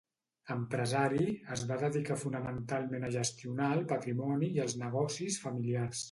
Empresari, es va dedicar fonamentalment a gestionar el patrimoni i els negocis familiars.